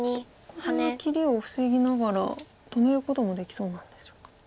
これは切りを防ぎながら止めることもできそうなんでしょうか。